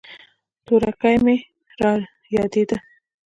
تورکى مې رايادېده.